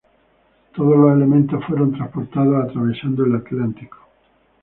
Todos los elementos fueron transportados atravesando el Atlántico.